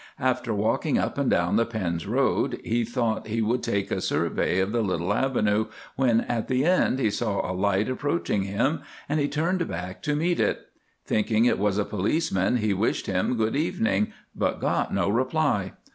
After walking up and down the Pends Road, he thought he would take a survey of the little avenue, when at the end he saw a light approaching him, and he turned back to meet it. Thinking it was a policeman, he wished him "Good evening," but got no reply.